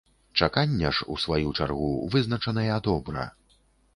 Чакання ж, у сваю чаргу, вызначаныя добра.